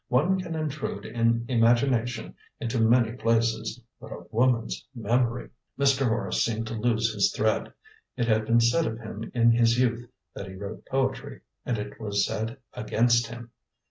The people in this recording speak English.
One can intrude in imagination into many places; but a woman's memory " Mr. Horace seemed to lose his thread. It had been said of him in his youth that he wrote poetry and it was said against him.